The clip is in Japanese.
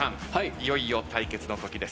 いよいよ対決の時です。